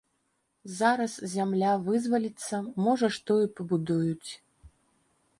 Зараз зямля вызваліцца, можа што і пабудуюць.